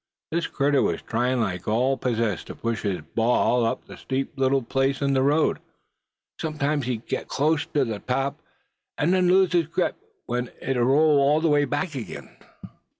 This critter was tryin' like all possessed to push his ball up a steep little place in the road. Sometimes he'd get her close to the top, and then lose his grip; when it'd roll all the way back again.